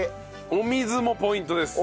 お水もポイントです。